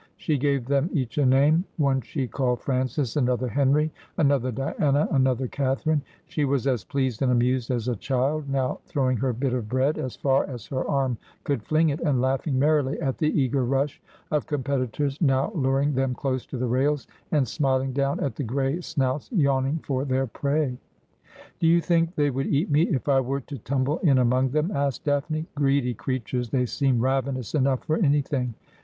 She gave them each a name. One she called Francis, another Henry, another Diana, another Catherine. She was as pleased and amused as a child, now throwing her bit of bread as far as her arm could fling it, and laughing merrily at the eager rush of competitors, now luring them close to the rails, and smiling down at the gray snouts yawning for their prey„ ' Do you think they would eat me if I were to tumble in among them ?' asked Daphne. ' Greedy creatures ! They seem ravenous enough for anything.